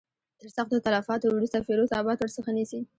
تر سختو تلفاتو وروسته فیروز آباد ورڅخه نیسي.